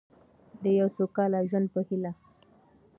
د یو سوکاله ژوند په هیله.